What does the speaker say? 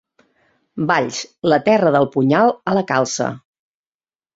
Valls, la terra del punyal a la calça.